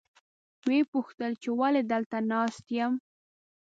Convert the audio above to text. ویې پوښتل چې ولې دلته ناست یم.